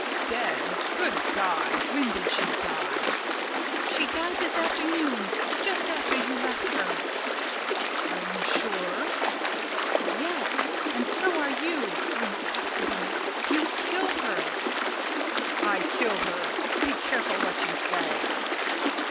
"Dead! Good God! When did she die?" "She died this afternoon, just after you left her." "Are you sure?" "Yes and so are you or you ought to be. You killed her!" "I killed her! Be careful what you say!"